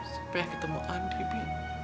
supaya ketemu andi bi